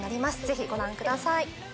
ぜひご覧ください。